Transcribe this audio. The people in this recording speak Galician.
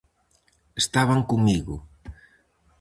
Estaban comigo.